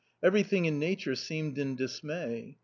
Every thing in nature seemed in dismay.